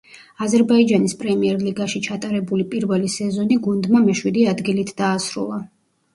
აზერბაიჯანის პრემიერ ლიგაში ჩატარებული პირველი სეზონი გუნდმა მეშვიდე ადგილით დაასრულა.